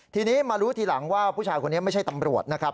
ทีนี้มารู้ทีหลังว่าผู้ชายคนนี้ไม่ใช่ตำรวจนะครับ